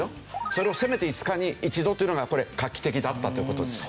それをせめて５日に１度というのがこれ画期的だったという事です。